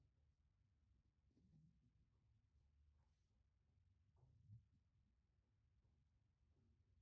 এই এলাকাটি থেকে গ্রিনিচের প্রধান চিত্রটি দেখা সম্ভব, যা মূলত উত্তর-পূর্ব গ্রিনিচ থেকে গ্রিনিচ টাউন সেন্টার পর্যন্ত এলাকাটিকে প্রদর্শন করে।